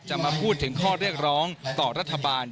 มาพูดถึงข้อเรียกร้องต่อรัฐบาล